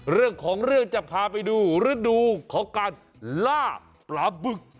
เรื่องของเรื่องจะพาไปดูฤดูของการล่าปลาบึก